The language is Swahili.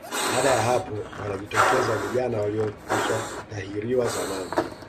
Baada ya hapo wanajitokeza vijana waliokwishatahiriwa zamani